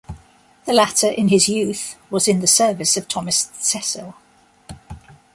The latter, in his youth, was in the service of Thomas Cecil.